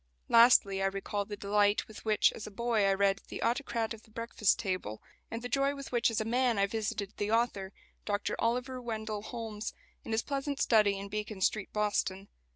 Lastly I recall the delight with which as a boy I read the "Autocrat of the Breakfast Table," and the joy with which as a man I visited the author, Dr Oliver Wendell Holmes, in his pleasant study in Beacon Street, Boston.